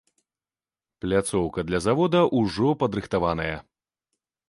Пляцоўка для завода ўжо падрыхтаваная.